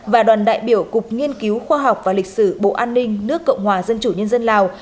và đoàn đại biểu cục nghiên cứu khoa học và lịch sử bộ an ninh nước cộng hòa dân chủ nhân dân lào